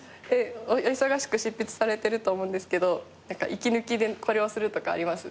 お忙しく執筆されてると思うんですけど息抜きでこれをするとかあります？